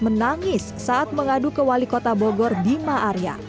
menangis saat mengadu ke wali kota bogor bima arya